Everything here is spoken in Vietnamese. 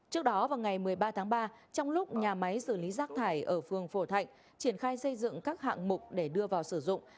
trước đó vào ngày một mươi ba tháng ba trong lúc nhà máy xử lý rác thải ở phường phổ thạnh triển khai xây dựng các hạng mục để đưa vào sử dụng